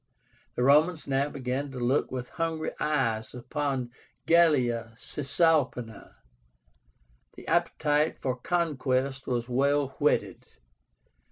The Romans now began to look with hungry eyes upon GALLIA CISALPÍNA. The appetite for conquest was well whetted.